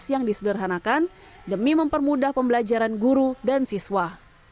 yang disederhanakan demi mempermudah pembelajaran guru dan siswa